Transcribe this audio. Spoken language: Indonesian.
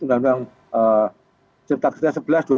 undang undang cipta kerja sebelas dua ribu dua